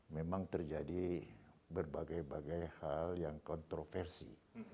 memang terjadi berbagai bagai hal yang kontroversi